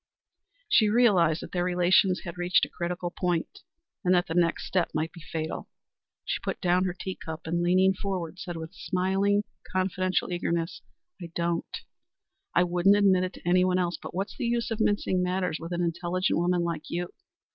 She realized that their relations had reached a critical point, and that the next step might be fatal. She put down her teacup, and leaning forward, said with smiling confidential eagerness, "I don't. I wouldn't admit it to anyone else. But what's the use of mincing matters with an intelligent woman like you?